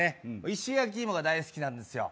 石焼き芋が大好きなんですよ